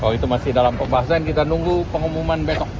oh itu masih dalam pembahasan kita nunggu pengumuman besok